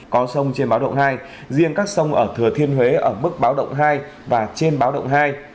có sông trên báo động hai riêng các sông ở thừa thiên huế ở mức báo động hai và trên báo động hai